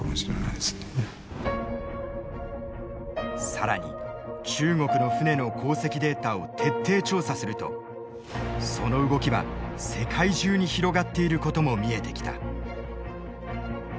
更に中国の船の航跡データを徹底調査するとその動きは世界中に広がっていることも見えてきた。